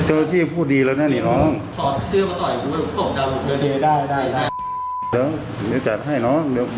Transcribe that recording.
โอ้โหโอ้โห